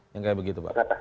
yang kayak begitu pak